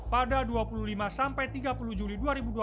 pada dua puluh lima sampai tiga puluh juli dua ribu dua puluh